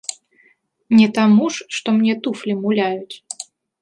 Не таму ж, што мне туфлі муляюць.